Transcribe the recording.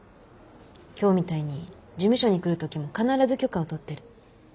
今日みたいに事務所に来る時も必ず許可を取ってる。